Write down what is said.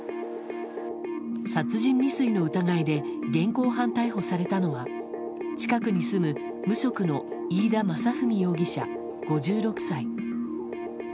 殺人未遂の疑いで現行犯逮捕されたのは近くに住む無職の飯田雅史容疑者、５６歳。